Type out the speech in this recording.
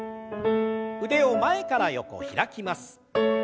腕を前から横開きます。